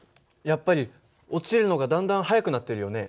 やっぱり落ちるのがだんだん速くなってるよね。